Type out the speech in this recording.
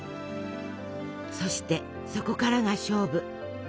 そしてそこからが勝負！